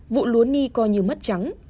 vụ lúa nghi coi như mất trắng